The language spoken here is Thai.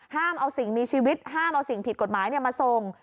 ห้ามเอาสิ่งมีชีวิตห้ามเอาสิ่งผิดกฎหมายมาส่ง